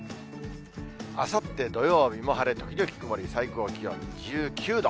あさって土曜日も晴れ時々曇り、最高気温１９度。